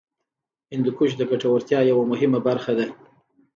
هندوکش د ګټورتیا یوه مهمه برخه ده.